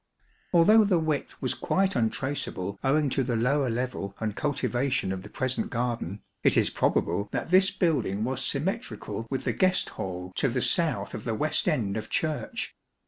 Although the width was quite untraceable owing to the lower level and cultivation of the present garden, it is probable that this building was symmetrical with the guest hall to the south of the west end of Church.